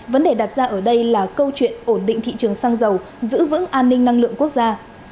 vấn đề đặt ra ở đây là câu chuyện ổn định thị trường xăng dầu giữ vững an ninh năng lượng quốc gia